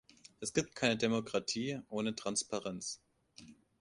Es gibt keine Demokratie ohne Transparenz.